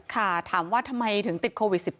ค่ะถามว่าทำไมถึงติดโควิด๑๙